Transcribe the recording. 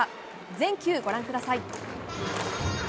全球、ご覧ください。